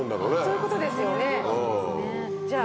そういうことですよね。